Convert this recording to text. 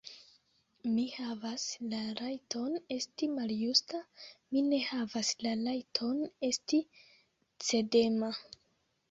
Mi havas la rajton esti maljusta; mi ne havas la rajton esti cedema.